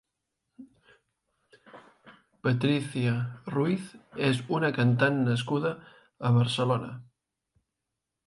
Patrizia Ruiz és una cantant nascuda a Barcelona.